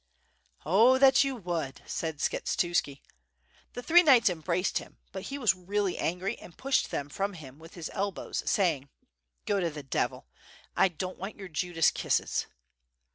"0 that you would ...." said Skshetuski. The three knights embraced him; but he was really angry and pushed them from him with his elbows, saying: "Go to the devil, I don't want your Judas kisses."